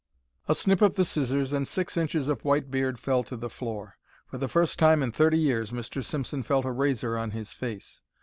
A snip of the scissors, and six inches of white beard fell to the floor. For the first time in thirty years Mr. Simpson felt a razor on his face.